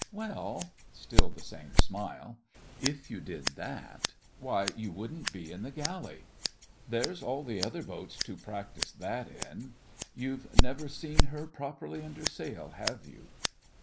'Well,'—still the same smile—'if you did that—why, you wouldn't be in the galley. There's all the other boats to practise that in. You've never seen her properly under sail, have you?